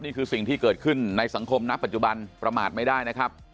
นี่คือสิ่งที่เกิดขึ้นในสังคมณปัจจุบันประมาทไม่ได้นะครับ